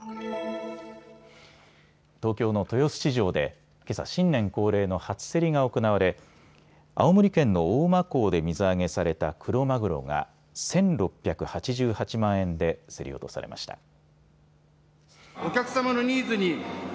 東京の豊洲市場でけさ、新年恒例の初競りが行われ青森県の大間港で水揚げされたクロマグロが１６８８万円で競り落とされました。